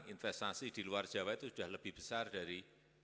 investasi di luar jawa itu sudah lebih besar dari